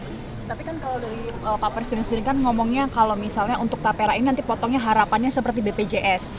tapi kan kalau dari pak presiden sendiri kan ngomongnya kalau misalnya untuk tapera ini nanti potongnya harapannya seperti bpjs